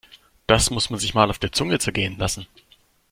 Das muss man sich mal auf der Zunge zergehen lassen!